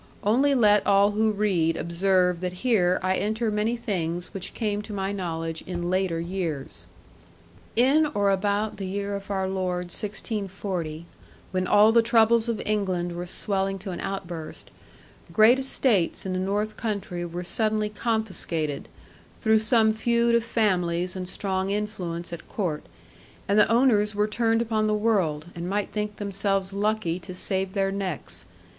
Only let all who read observe that here I enter many things which came to my knowledge in later years. In or about the year of our Lord 1640, when all the troubles of England were swelling to an outburst, great estates in the North country were suddenly confiscated, through some feud of families and strong influence at Court, and the owners were turned upon the world, and might think themselves lucky to save their necks.